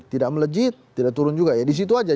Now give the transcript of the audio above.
tidak melejit tidak turun juga ya disitu aja